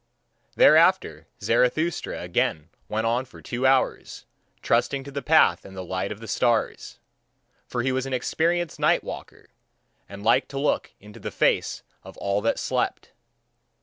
Thereafter Zarathustra again went on for two hours, trusting to the path and the light of the stars: for he was an experienced night walker, and liked to look into the face of all that slept.